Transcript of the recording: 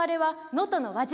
能登の輪島？